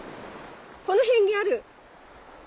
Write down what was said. この辺にある！